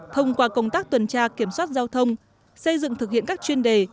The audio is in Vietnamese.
thông qua công tác tuần tra kiểm soát giao thông xây dựng thực hiện các chuyên đề